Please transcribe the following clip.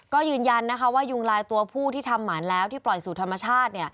ก็ยืนยันนะคะว่ายุงลายตัวผู้ที่ทำหมานแล้วที่ปล่อยสู่ธรรมชาติ